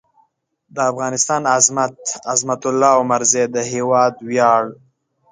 د افغانستان عظمت؛ عظمت الله عمرزی د هېواد وېاړ